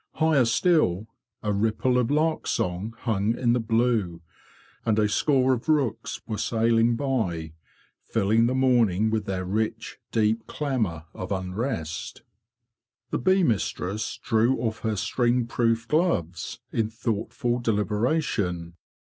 Higher still a ripple of lark song hung in the blue, and a score of rooks were sailing by, filling the morning with their rich, deep clamour of unrest. The bee mistress drew off her sting proof gloves in thoughtful deliberation.